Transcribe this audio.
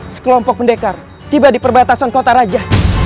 sekelompok pendekar tiba di perbatasan kota raja